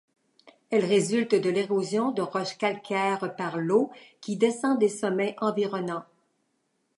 Elles résultent de l'érosion de roches calcaires par l'eau qui descend des sommets environnants.